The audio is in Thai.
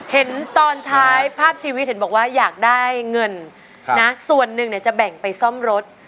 เห็นตอนท้ายภาพชีวิตเห็นบอกว่าอยากได้เงินนะส่วนหนึ่งเนี่ยจะแบ่งไปซ่อมรถ